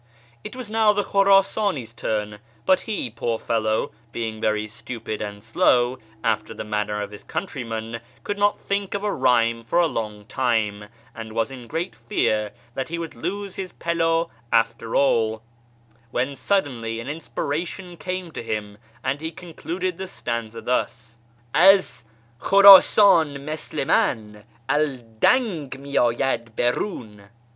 It was now the Xhuras; im"s turn, but he, poor fellow, being very stupid and slow, after the manner of his countrymen, could not think of a rhyme for a long time, and was in great fear that he w^ould lose his pildio after all, when suddenly an inspiration came to him, and he concluded the stanza thus :—' Az Khurasan misl i man aldang mi dyad birfm.'